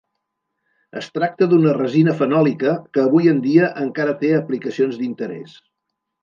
Es tracta d'una resina fenòlica que avui en dia encara té aplicacions d'interès.